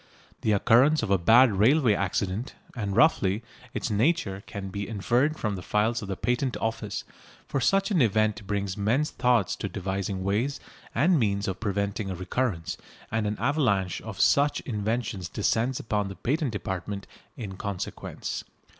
The occurrence of a bad railway accident, and, roughly, its nature, can be inferred from the files of the Patent Office, for such an event brings men's thoughts to devising ways and means of preventing a recurrence, and an avalanche of such inventions descends upon the patent department in consequence.